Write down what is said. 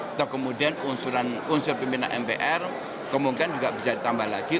atau kemudian unsur pimpinan mpr kemungkinan juga bisa ditambah lagi